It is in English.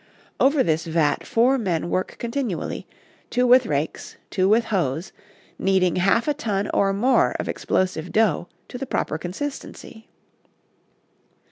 Over this vat four men work continually, two with rakes, two with hoes, kneading half a ton or more of explosive dough to the proper consistency.